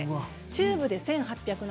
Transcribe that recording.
中部で１８７０円。